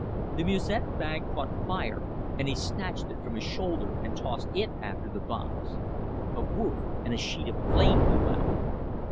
The musette bag caught fire and he snatched it from his shoulder and tossed it after the bombs. A whoof and a sheet of flame blew out.